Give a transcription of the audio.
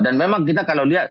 dan memang kita kalau lihat